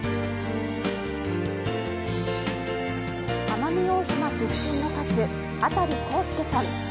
奄美大島出身の歌手中孝介さん。